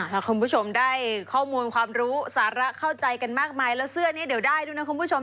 ถ้าคุณผู้ชมได้ข้อมูลความรู้สาระเข้าใจกันมากมายแล้วเสื้อนี้เดี๋ยวได้ด้วยนะคุณผู้ชม